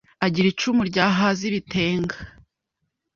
Agira icumu ryahaze ibitenga